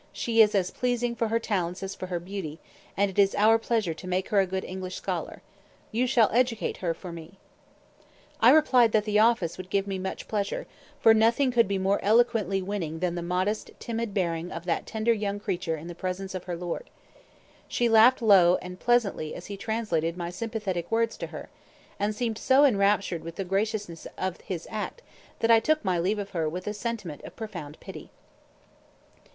She is as pleasing for her talents as for her beauty, and it is our pleasure to make her a good English scholar. You shall educate her for me." I replied that the office would give me much pleasure; for nothing could be more eloquently winning than the modest, timid bearing of that tender young creature in the presence of her lord. She laughed low and pleasantly as he translated my sympathetic words to her, and seemed so enraptured with the graciousness of his act that I took my leave of her with a sentiment of profound pity.